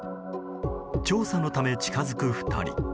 調査のため近づく２人。